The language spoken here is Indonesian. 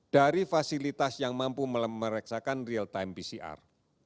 dari fasilitas yang mampu memeriksakan real time pcr